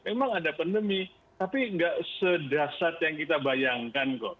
memang ada pandemi tapi nggak sedasar yang kita bayangkan